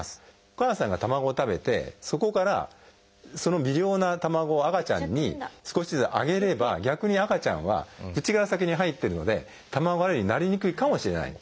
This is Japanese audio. お母さんが卵を食べてそこからその微量な卵を赤ちゃんに少しずつあげれば逆に赤ちゃんは口から先に入ってるので卵アレルギーになりにくいかもしれない。